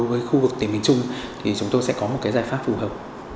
với các khu vực tỉnh miền trung thì chúng tôi sẽ có một giải pháp phù hợp